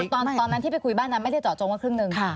ตอนนั้นที่ไปคุยบ้านนั้นไม่ได้เจาะจงว่าครึ่งหนึ่ง